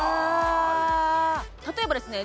例えばですね